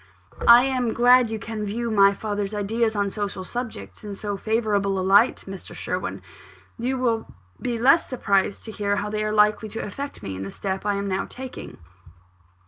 "I am glad you can view my father's ideas on social subjects in so favourable a light, Mr. Sherwin. You will be less surprised to hear how they are likely to affect me in the step I am now taking."